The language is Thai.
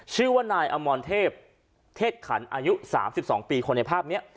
ชื่อว่านายอมรเทพเทศขันอายุ๓๒ปีคนในภาพนี้